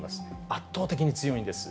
圧倒的に強いんです。